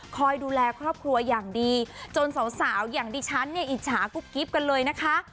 คอยดูแลครอบครัวอย่างดีจนสาวอย่างดิฉันเนี่ยอิจฉากุ๊บกิ๊บกันเลยนะคะ